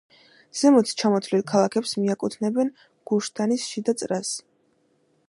ზემოთ ჩამოთვლილ ქალაქებს მიაკუთვნებენ გუშ-დანის შიდა წრეს.